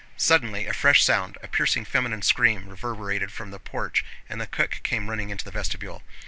Suddenly a fresh sound, a piercing feminine scream, reverberated from the porch and the cook came running into the vestibule.